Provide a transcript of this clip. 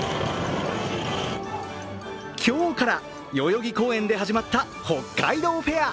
今日から代々木公園で始まった北海道フェア。